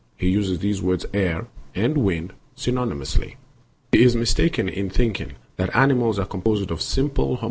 He uses these words 'air' and 'wind' synonymously. He is mistaken in thinking that animals are composed of simple homo